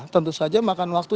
tentu saja makan waktu